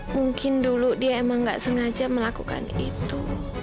mungkin dulu dia emang gak sengaja melakukan itu